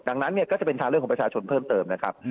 ดังนั้นเนี่ยก็จะเป็นทางเลือกของประชาชนเพิ่มเติมนะครับ